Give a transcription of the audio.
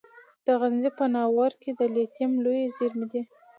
د غزني په ناوور کې د لیتیم لویې زیرمې دي.